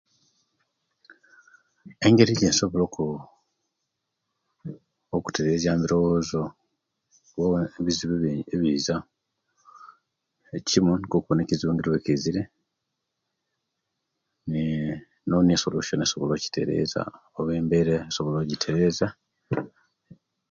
Engeri ejensobola okutereriya mu ebirowozo okwewala ebizibu ebiza ekimu nikwo okuwona ekizibu ekizire nee ninonia esolution esobola okuterezya oba embera eyokitereza